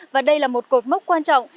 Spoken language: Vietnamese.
và đây là một cột mốc quan trọng